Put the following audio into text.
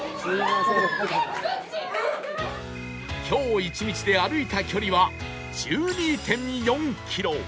今日１日で歩いた距離は １２．４ キロ